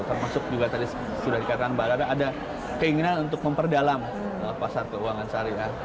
termasuk juga tadi sudah dikatakan mbak rada ada keinginan untuk memperdalam pasar keuangan syariah